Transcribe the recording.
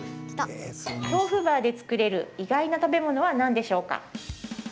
豆腐バーで作れる意外な食べ物は何でしょうか？